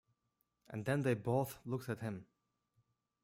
And then they both looked at him.